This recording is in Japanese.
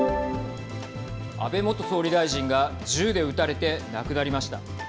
安倍元総理大臣が銃で撃たれて亡くなりました。